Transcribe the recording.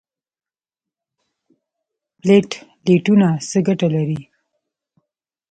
پلیټلیټونه څه ګټه لري؟